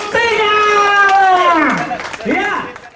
kita musnahkan barans buktinga